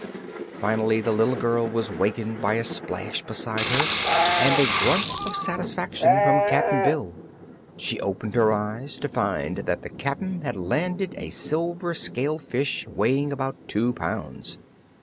Finally the little girl was wakened by a splash beside her and a grunt of satisfaction from Cap'n Bill. She opened her eyes to find that the Cap'n had landed a silver scaled fish weighing about two pounds.